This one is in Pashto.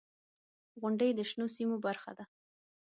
• غونډۍ د شنو سیمو برخه ده.